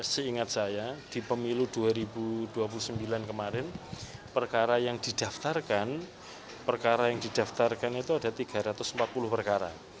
seingat saya di pemilu dua ribu dua puluh sembilan kemarin perkara yang didaftarkan perkara yang didaftarkan itu ada tiga ratus empat puluh perkara